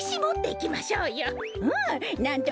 うん。